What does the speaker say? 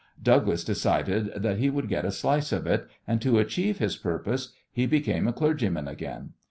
Douglas decided that he would get a slice of it, and to achieve his purpose he became a clergyman again.